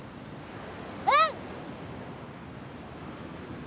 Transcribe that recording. うん！